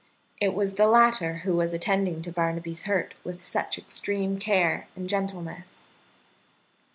It was the latter who was attending to Barnaby's hurt with such extreme care and gentleness.